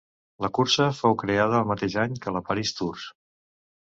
La cursa fou creada el mateix any que la París-Tours.